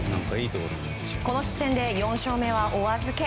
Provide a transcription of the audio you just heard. この失点で４勝目はお預け。